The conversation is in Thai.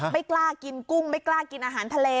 ไม่กล้ากินกุ้งไม่กล้ากินอาหารทะเล